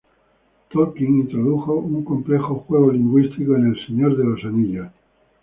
Tolkien introdujo un complejo juego lingüístico en "El Señor de los Anillos".